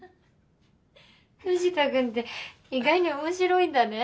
藤田君って意外に面白いんだね。